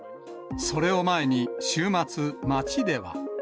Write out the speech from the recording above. それを前に、週末、町では。